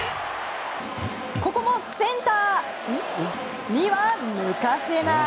ここもセンターには抜かせない！